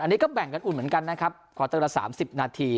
อันนี้ก็แบ่งกันอุ่นเหมือนกันนะครับคอเตอร์ละ๓๐นาที